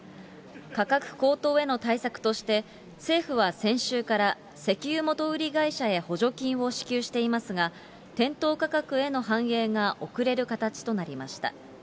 価格高騰への対策として、政府は先週から石油元売り会社へ補助金を支給していますが、店頭価格への反映が遅れる形となりました。